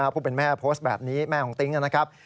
ผู้เป็นแม่โพสต์แบบนี้แม่ของติ๊งนะครับ